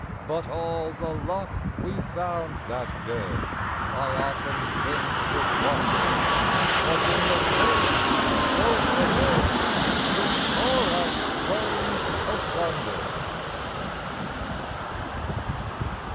But all the luck we found that day, I often think with wonder, Was in the Fate we both obey Which tore us twain asunder.